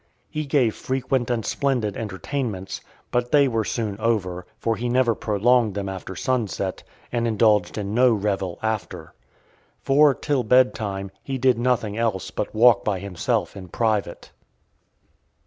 He gave frequent and splendid entertainments, but they were soon over, for he never prolonged them after sun set, and indulged in no revel after. For, till bed time, he did nothing else but walk by himself in private.